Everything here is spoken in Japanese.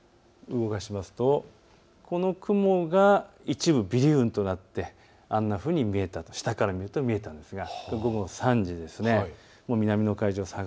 動かすとこの雲が一部、尾流雲となってあんなふうに下から見ると見えたんですが次、午後３時です。